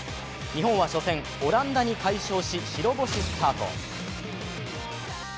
日本は初戦、オランダに快勝し白星スタート。